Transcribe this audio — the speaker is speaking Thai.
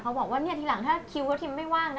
บอกว่าเนี่ยทีหลังถ้าคิวก็ทิมไม่ว่างนะ